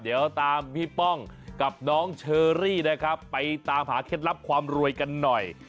เดี๋ยวตามพี่ป้องกับน้องเชอรี่นะครับไปตามหาเคล็ดลับความรวยกันหน่อย